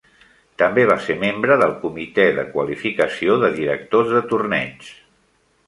També va ser membre del Comitè de Qualificació de Directors de torneigs.